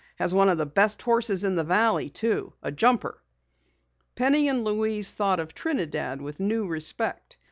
Has one of the best horses in the valley too. A jumper." Penny and Louise thought of Trinidad with new respect.